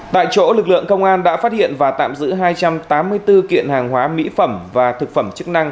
tại chỗ lực lượng công an đã phát hiện và tạm giữ hai trăm tám mươi bốn kiện hàng hóa mỹ phẩm và thực phẩm chức năng